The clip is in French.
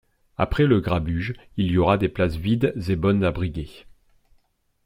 Après le grabuge, il y aura des places vides et bonnes à briguer.